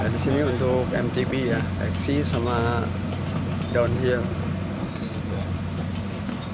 ya disini untuk mtb ya eksi sama downhill